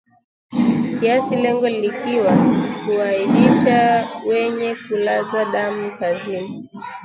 kiasi lengo likiwa kuwaaibisha wenye kulaza damu kazini